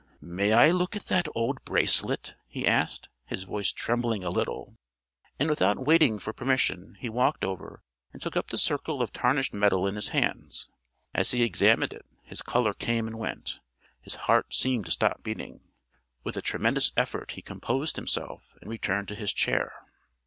"May I look at that old bracelet?" he asked, his voice trembling a little; and without waiting for permission he walked over and took up the circle of tarnished metal in his hands. As he examined it his colour came and went, his heart seemed to stop beating. With a tremendous effort he composed himself and returned to his chair.